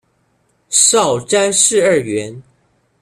少詹事二员。